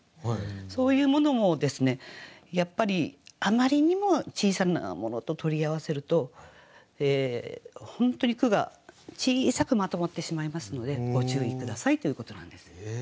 そういうものもやっぱりあまりにも小さなものと取り合わせると本当に句が小さくまとまってしまいますのでご注意下さいということなんです。